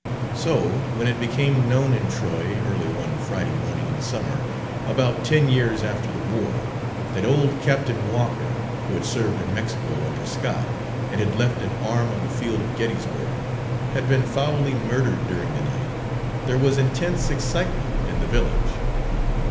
So, when it became known in Troy early one Friday morning in summer, about ten years after the war, that old Captain Walker, who had served in Mexico under Scott, and had left an arm on the field of Gettysburg, had been foully murdered during the night, there was intense excitement in the village.